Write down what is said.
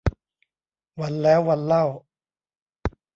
วันแล้ววันเล่า